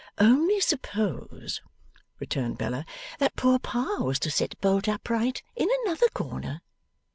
'Only suppose,' returned Bella, 'that poor Pa was to sit bolt upright in another corner.